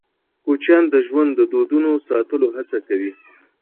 کوچیان د ژوند د دودونو ساتلو هڅه کوي.